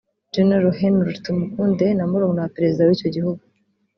General Henry Tumukunde na murumuna wa Perezida w’icyo gihugu